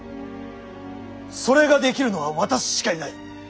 それができるのは私しかいない。